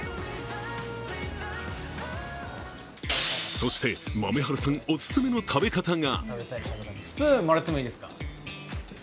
そして、豆原さんオススメの食べ方が。